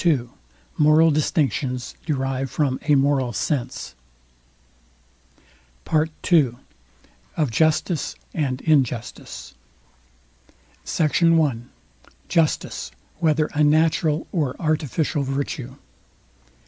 II MORAL DISTINCTIONS DERIVED FROM A MORAL SENSE PART II OF JUSTICE AND INJUSTICE SECT. I JUSTICE, WHETHER A NATURAL OR ARTIFICIAL VIRTUE?